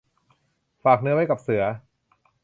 ฝากเนื้อไว้กับเสือ